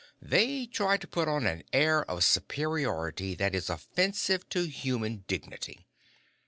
They try to put on an air of superiority that is offensive to human dignity."